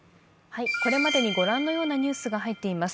これまでに御覧のようなニュースが入っています。